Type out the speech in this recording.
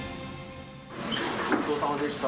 ごちそうさまでした。